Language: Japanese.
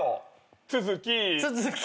都築！